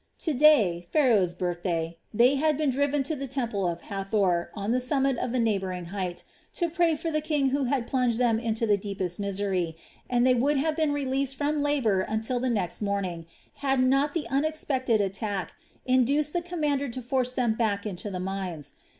To day, Pharaoh's birthday, they had been driven to the temple of Hathor on the summit of the neighboring height, to pray for the king who had plunged them into the deepest misery, and they would have been released from labor until the next morning, had not the unexpected attack induced the commander to force them back into the mines.